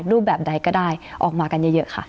รูปแบบใดก็ได้ออกมากันเยอะค่ะ